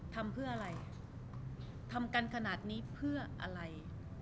ทำเพื่ออะไรทำกันขนาดนี้เพื่ออะไร